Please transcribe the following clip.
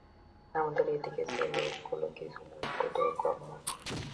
আমাদের এদিকের চেয়ে লোকগুলো কিছু মজবুত ও কর্মঠ।